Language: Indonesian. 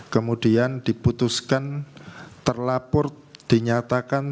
kemudian diputuskan terlapor dinyatakan